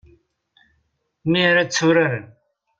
Mi ara tturaren.